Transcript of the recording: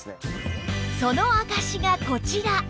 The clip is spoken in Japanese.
その証しがこちら